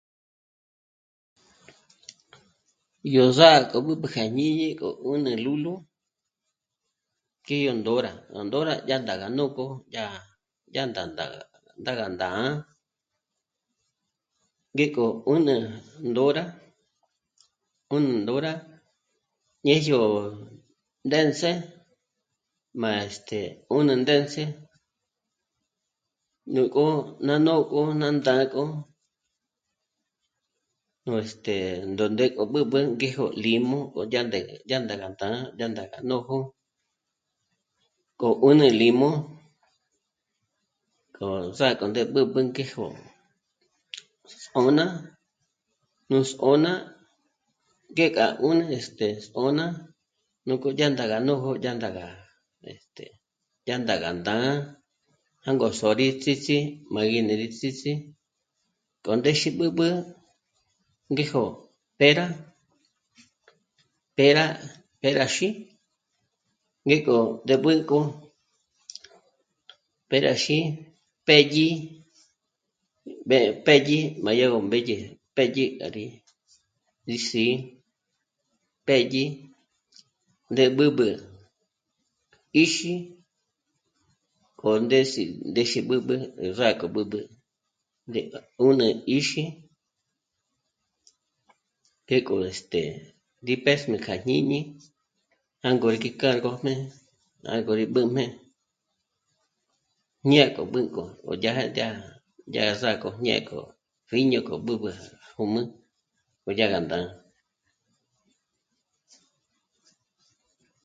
Yó zá'a k'o b'ǚb'ü kja jñíñi gó 'ùnü lúlu ngé ó ndǒra, ó ndǒra yá ndága nòk'o dyá, dyá ndá ndá'a, ndága ndǎ'a. Ngék'o 'ùnü ndǒra, 'ùnü ndǒra ñejyo ndë́ns'ë má, este... 'ùnü ndë́ns'ë ñú k'o ná nójo ná ndǎ'agö, nú, este... ndó ndé k'o b'ǚb'ü ngéjo límu gó dyá ndǎ'a ngé, dyá ndága ndǎ'a, dyá ndǎ'a gá nójo k'o 'ùnü límu k'o ró sák'ü ndé b'ǚb'ü ngéjo s'ô'n'a, nú s'ô'n'a ngék'a 'ùn..., este... s'ô'n'a. Nuk'o dyá ndága nójo yá ndága, este... dyá ndága ndǎ'a jângo sò'o rí ts'ísi má gí né'e rí ts'ísí k'o ndéxi b'ǚb'ü ngéjo pera, pera... peraxi ngék'o ndé b'ǘnk'o peraxi, pédyi mbé pédyi má yá gó mbédye pédyi gá rí, rí sí'i pédyi ndé b'ǚb'ü 'íxi, k'o ndé sí', ndéxi b'ǚb'ü í zá'a k'o b'ǚb'ü ndé à 'ùnü 'íxi ngék'o, este... rí pésjmé kja jñíñi jângo rí kìk'ârgojmé, jângo rí b'ǘjmé ñe k'o b'ǘnk'o o dyája dyá, dyá gá sák'o ñe k'o pjíño k'o b'ǚb'ü jǔm'u ó dyá gá ndǎ'a